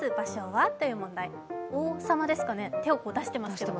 王様ですかね、手を出していますけれども。